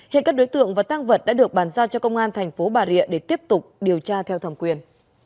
hiện các đối tượng và tăng vật đã được bàn giao cho công an thành phố bà rịa để tiếp tục điều tra theo thẩm quyền